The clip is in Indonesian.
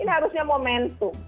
ini harusnya momentum